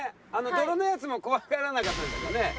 泥のやつも怖がらなかったですもんね。